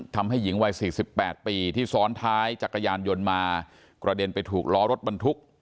ทำให้หญิงวัย๔๘ปีที่ซ้อนท้ายจักรยานยนต์มากระเด็นไปถูกล้อรถบรรทุก